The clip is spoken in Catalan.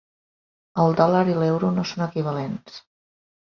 El dòlar i l'euro no són equivalents.